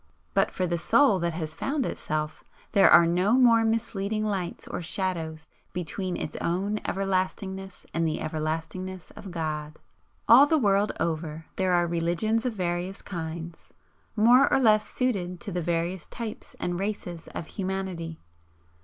But for the Soul that has found Itself, there are no more misleading lights or shadows between its own everlastingness and the everlastingness of God. All the world over there are religions of various kinds, more or less suited to the various types and races of humanity.